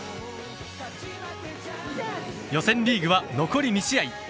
予選リーグは残り２試合。